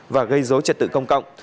và gây dối trật tự công cộng